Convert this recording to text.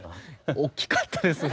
大きかったですね。